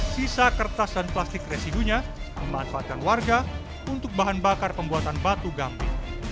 sisa kertas dan plastik residunya memanfaatkan warga untuk bahan bakar pembuatan batu gamping